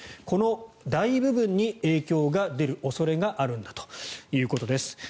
この大部分に影響が出る恐れがあるんだということです。